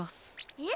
えっ？